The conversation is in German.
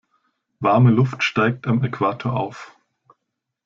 Warme Luft steigt am Äquator auf.